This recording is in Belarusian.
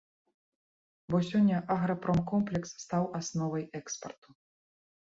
Бо сёння аграпромкомплекс стаў асновай экспарту.